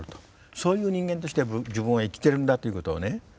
そういう人間として自分は生きてるんだということをね